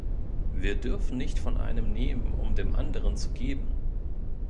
Wir dürfen nicht von einem nehmen, um dem anderen zu geben.